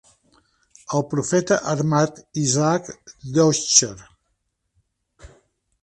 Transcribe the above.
"El profeta armat", Isaac Deutscher.